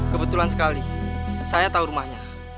kebetulan sekali saya tahu rumahnya